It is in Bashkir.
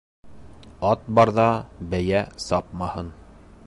Ат барҙа бейә сапмаһын